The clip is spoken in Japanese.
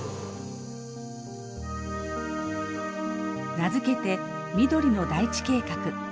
名付けて「緑の大地計画」。